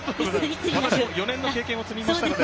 私も４年の経験を積みましたので。